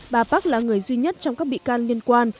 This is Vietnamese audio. bà park là người duy nhất trong các bị can liên quan